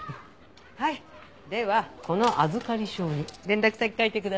はいではこの預かり証に連絡先書いてください。